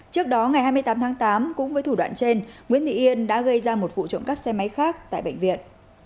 trước đó ngày hai mươi tám tháng tám cũng với thủ đoạn trên nguyễn thị yên đã gây ra một vụ trộm cắp xe máy khác tại bệnh viện